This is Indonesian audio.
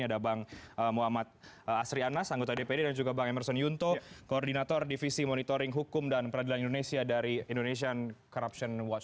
ada bang muhammad asri anas anggota dpd dan juga bang emerson yunto koordinator divisi monitoring hukum dan peradilan indonesia dari indonesian corruption watch